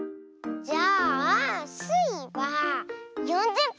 じゃあスイは４０ぽん。